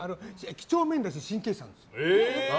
几帳面だし神経質なんです。